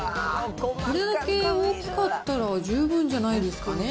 これだけ大きかったら、十分じゃないですかね。